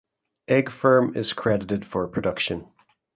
Egg Firm is credited for production.